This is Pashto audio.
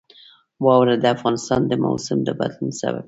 واوره د افغانستان د موسم د بدلون سبب کېږي.